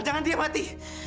jangan dia mati